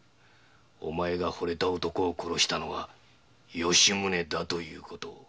お前の惚れた男を殺したのは吉宗だということを。